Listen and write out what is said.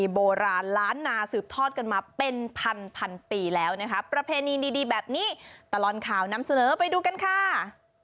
ใช่ค่ะพาไปดูประเพณีโบราณล้านนา